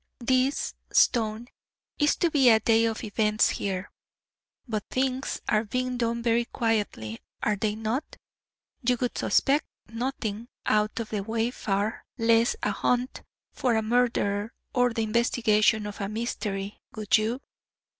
"This, Stone, is to be a day of events here. But things are being done very quietly, are they not? You would suspect nothing out of the way far less a hunt for a murderer or the investigation of a mystery, would you?"